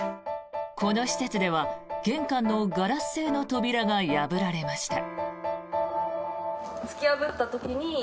この施設では玄関のガラス製の扉が破られました。